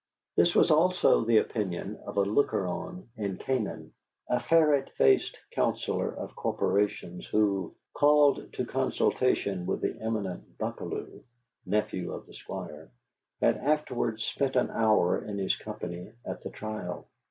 This was also the opinion of a looker on in Canaan a ferret faced counsellor of corporations who, called to consultation with the eminent Buckalew (nephew of the Squire), had afterward spent an hour in his company at the trial.